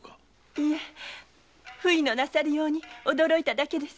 いいえ不意のなさりように驚いただけですわ。